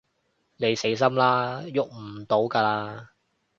你死心啦，逳唔到㗎喇